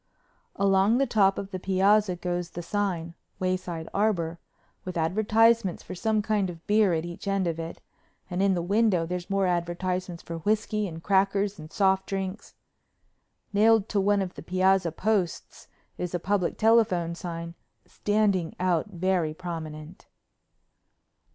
Along the top of the piazza goes the sign "Wayside Arbor," with advertisements for some kind of beer at each end of it, and in the window there's more advertisements for whisky and crackers and soft drinks. Nailed to one of the piazza posts is a public telephone sign standing out very prominent.